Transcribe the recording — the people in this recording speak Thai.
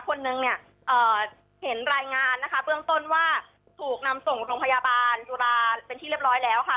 คนนึงเนี่ยเห็นรายงานนะคะเบื้องต้นว่าถูกนำส่งโรงพยาบาลจุฬาเป็นที่เรียบร้อยแล้วค่ะ